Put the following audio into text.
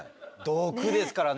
毒ですからね。